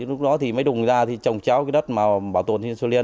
lúc đó thì mới đùng ra thì trồng cháo cái đất mà bảo tồn thiên nhiên xuân liên